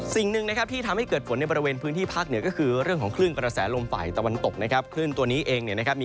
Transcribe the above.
สิ่งหนึ่งนะครับที่ทำให้เกิดฝนในบริเวณพื้นที่พักเนี่ยก็คือเรื่องของคลื่นประแสลมไฟตะวันตกนะครับ